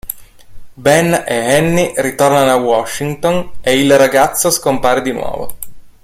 Ben e Annie ritornano a Washington ed il ragazzo scompare di nuovo.